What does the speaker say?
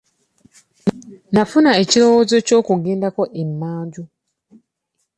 Nafuna ekirowoozo ky'okugendako emmanju.